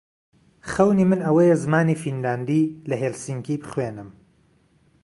خەونی من ئەوەیە زمانی فینلاندی لە هێلسینکی بخوێنم.